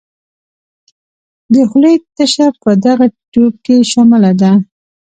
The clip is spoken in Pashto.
د خولې تشه په دغه تیوپ کې شامله ده.